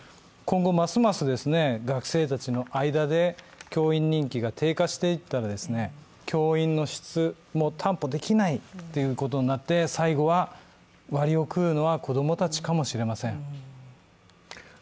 今後、ますます学生たちの間で教員人気が低下していったら教員の質も担保できないということになって、最後は割を食うのは子供たちかもしれません。